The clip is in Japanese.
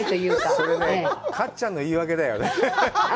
それ、かっちゃんの言い訳だよね。